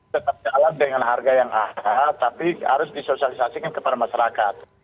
tetap jalan dengan harga yang ada tapi harus disosialisasikan kepada masyarakat